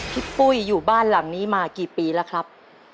ปุ้ยอยู่บ้านหลังนี้มากี่ปีแล้วครับ